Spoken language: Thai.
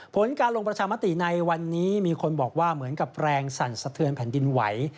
ผลการลงประชามติในวันนี้มีคนบอกว่าเหมือนกับแรงสั่นสะเทือนแผ่นดินไหว